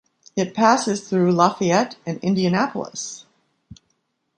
It passes through Lafayette and Indianapolis.